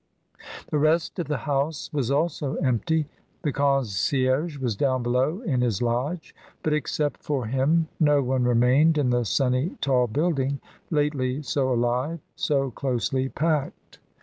The rest of the house was also empty; the con cierge was down below in his lodge, but except for him no one remained in the sunny tall building lately so alive, so closely packed.